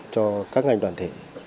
cho các ngành đoàn thể